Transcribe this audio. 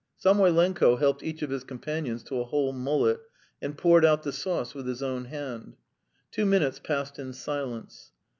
Samoylenko helped each of his companions to a whole mullet and poured out the sauce with his own hand. Two minutes passed in silence.